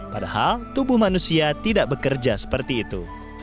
padahal tubuh manusia tidak bekerja seperti itu